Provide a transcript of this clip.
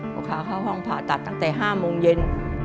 ลูกค้าเข้าห้องผ่าตัดตั้งแต่๕โมงเย็น